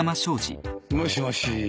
もしもし。